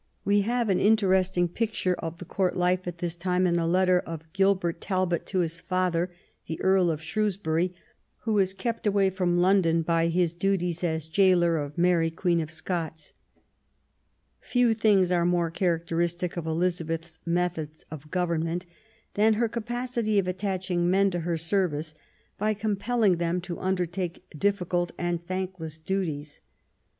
We have an interesting picture of the Court life at this time in a letter of Gilbert Talbot to his father, the Earl of Shrewsbury, who was kept away from London by his duties as gaoler of Mary Queen of Scots, few things are more characteristic of Elizabeth's methods of government than her capacity of attaching men to her service by compelling them to undertake difficult and thankless duties.